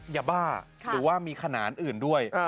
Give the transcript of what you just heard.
ยาบ้าหรือว่ามีขนานอื่นด้วย